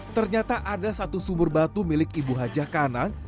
ternyata ada satu sumur batu milik ibu hajah kanang